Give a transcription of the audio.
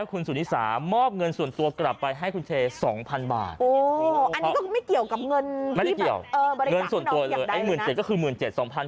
วันสองตัวเลยไอ้หมื่นเจ็ดก็คือ๑๗๐๐๐บาท